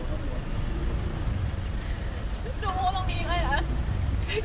ไม่ใช่นี่คือบ้านของคนที่เคยดื่มอยู่หรือเปล่า